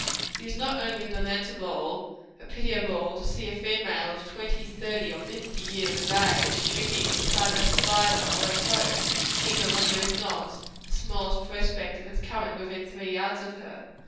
It is not only lamentable, but pitiable, to see a female of twenty, thirty, or fifty years of age, shrinking at the sight of a spider, or a toad, even when there is not the smallest prospect of its coming within three yards of her.